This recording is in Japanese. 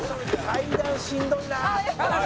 「階段しんどいな」